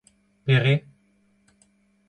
Pere ?